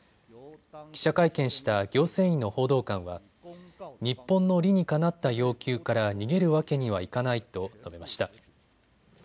記者会見した行政院の報道官は日本の理にかなった要求から逃げるわけにはいかないと述べました。